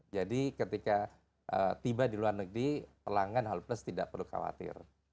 jadi ketika tiba di luar negeri pelanggan halo plus tidak perlu khawatir